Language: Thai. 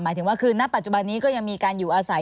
ถึงว่าคือณปัจจุบันนี้ก็ยังมีการอยู่อาศัย